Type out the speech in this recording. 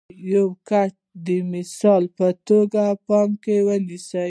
یو کوټ د مثال په توګه په پام کې ونیسئ.